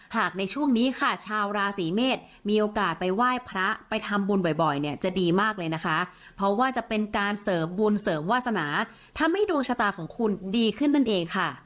หากในช่วงนี้ค่ะชาวราศีเมษมีโอกาสไปไหว้พระไปทำบุญบ่อยเนี่ยจะดีมากเลยนะคะเพราะว่าจะเป็นการเสริมบุญเสริมวาสนาทำให้ดวงชะตาของคุณดีขึ้นนั่นเองค่ะ